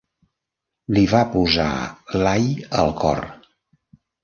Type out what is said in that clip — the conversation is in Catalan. Li va posar l'ai al cor.